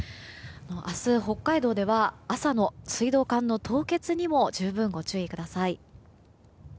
明日、北海道では朝の水道管の凍結にも十分ご注意ください。